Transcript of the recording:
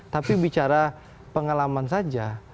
tapi bicara pengalaman saja